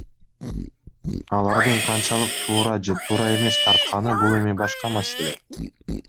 Алардын канчалык туура же туура эмес тартканы бул эми башка маселе.